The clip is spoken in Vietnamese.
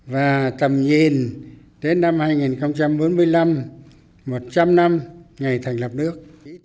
và tầm nhìn đến năm hai nghìn bốn mươi năm một trăm linh năm ngày thành lập nước